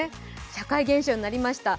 社会現象になりました。